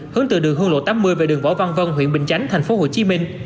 hướng từ đường hương lộ tám mươi về đường võ văn vân huyện bình chánh tp hcm